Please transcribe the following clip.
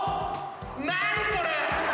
何これ？